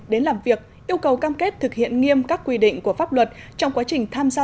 đến làm việc yêu cầu cam kết thực hiện nghiêm các quy định của pháp luật trong quá trình tham gia